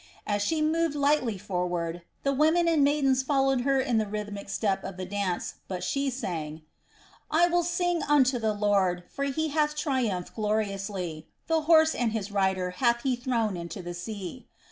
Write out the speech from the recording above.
As she moved lightly forward, the women and maidens followed her in the rhythmic step of the dance; but she sang: "I will sing unto the Lord, for he hath triumphed gloriously: the horse and his rider hath he thrown into the sea.